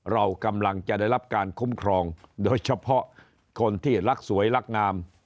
เรากำลังจะได้รับการคุ้มครองโดยเฉพาะคนที่รักสวยรักงาม